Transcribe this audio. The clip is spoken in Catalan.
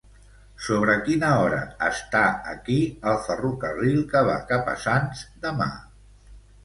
Sobre quina hora està aquí el ferrocarril que va cap a Sants demà?